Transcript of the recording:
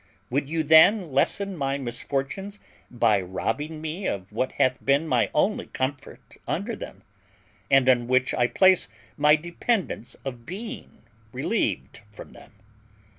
Would you then lessen my misfortunes by robbing me of what hath been my only comfort under them, and on which I place my dependence of being relieved from them?